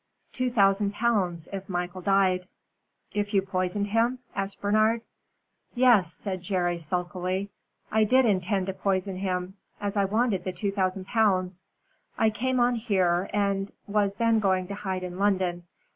"Two thousand pounds if Michael died." "If you poisoned him?" asked Bernard. "Yes," said Jerry, sulkily. "I did intend to poison him, as I wanted the two thousand pounds. I came on here, and was then going to hide in London.